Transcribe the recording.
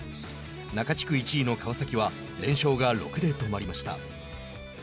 中地区１位の川崎は連勝が６で止まりました。